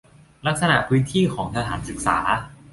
ลักษณะพื้นที่ของสถานศึกษา